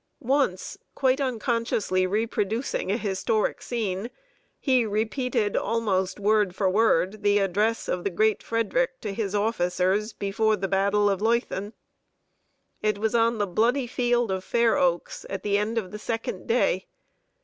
Once, quite unconsciously reproducing a historic scene, he repeated, almost word for word, the address of the great Frederick to his officers, before the battle of Leuthen. It was on the bloody field of Fair Oaks, at the end of the second day.